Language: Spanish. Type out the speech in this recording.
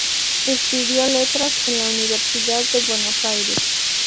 Estudió Letras en la Universidad de Buenos Aires.